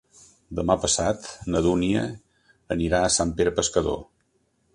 Demà passat na Dúnia anirà a Sant Pere Pescador.